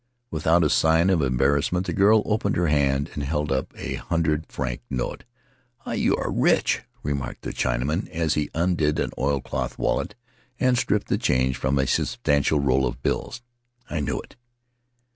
Without a sign of embarrassment the girl opened her hand and held up a hundred franc note. "Ah, you are rich," remarked the Chinaman, as he undid an oil cloth wallet and stripped the change from a substantial roll of bills. "I knew it.